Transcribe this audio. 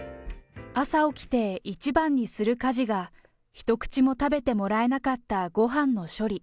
朝起きて一番にする家事が、一口も食べてもらえなかったごはんの処理。